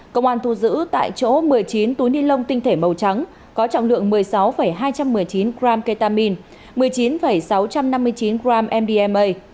công an thu giữ tại chỗ một mươi chín túi nilon tinh thể màu trắng có trọng lượng một mươi sáu hai trăm một mươi chín gram ketamine một mươi chín sáu trăm năm mươi chín gram mdma